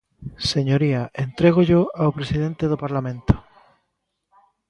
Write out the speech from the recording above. Señoría, entrégollo ao presidente do Parlamento.